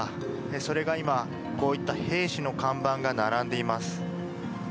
それが今こういった兵士の看板が並んでいます。